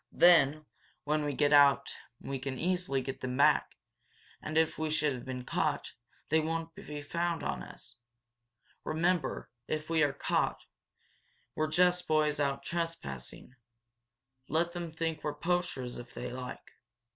Then when we get out we can easily get them back, and if we should be caught they won't be found on us. Remember, if we are caught, we're just boys out trespassing. Let them think we're poachers, if they like."